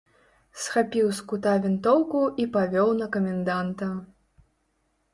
Схапіў з кута вінтоўку і павёў на каменданта.